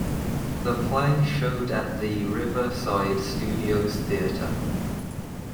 The play showed at the Riverside Studios theatre.